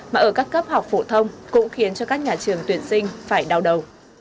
mà ở các cấp học phổ thông cũng khiến cho các nhà trường tuyển sinh phải đau đầu